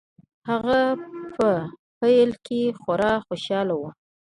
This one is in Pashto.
هغه په پیل کې خورا خوشحاله و